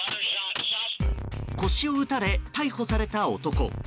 腰を撃たれ逮捕された男。